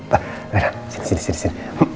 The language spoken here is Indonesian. bah rena sini sini sini